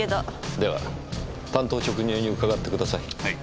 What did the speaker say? では単刀直入に伺ってください。